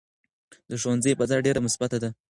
د ښوونځي فضا ډېره مثبته ده.